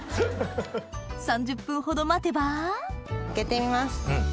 ３０分ほど待てば開けてみます。